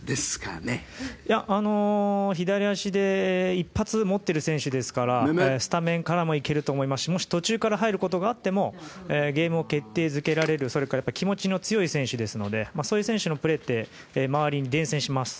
左足で一発持っている選手ですからスタメンからも行けると思いますしもし途中から入ることがあってもゲームを決定付けられるそれから気持ちの強い選手ですのでそういう選手のプレーって周りに伝染します。